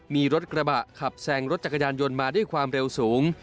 มีรถกระบะขับแซงรถจักรยานยนต์มาด้วยความเร็วสูง